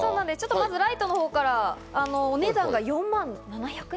まずライトのほうからお値段が４万７００円。